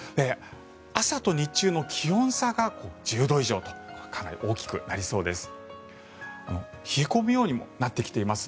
朝と日中の気温差が１０度以上とかなり大きくなりそうです。